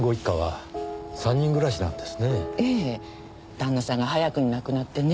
旦那さんが早くに亡くなってね